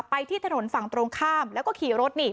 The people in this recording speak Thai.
ที่ถนนฝั่งตรงข้ามแล้วก็ขี่รถนี่